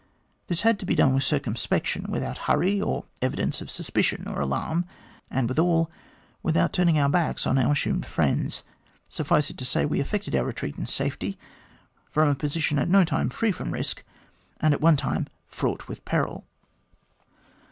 This had to be done with circum spection, without hurry or evidence of suspicion or alarm, and withal, without turning our backs on our assumed friends. Suffice it to say, we effected our retreat in safety, from a position at no time free from risk, and at one time fraught with peril.